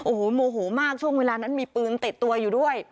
โอ้โหโมโหมากช่วงเวลานั้นมีปืนติดตัวอยู่ด้วย